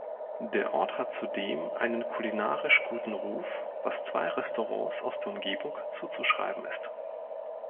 Der Ort hat zudem einen kulinarisch guten Ruf, was zwei Restaurants aus der Umgebung zuzuschreiben ist.